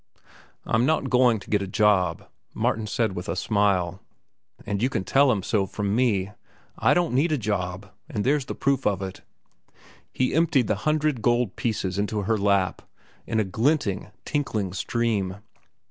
"I'm not going to get a job," Martin said with a smile. "And you can tell him so from me. I don't need a job, and there's the proof of it." He emptied the hundred gold pieces into her lap in a glinting, tinkling stream.